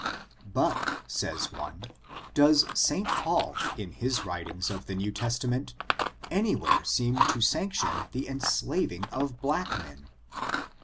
But, says one, does St. Paul, in his writings of the New Testament, anywhere seem to sanction the en slaving of black men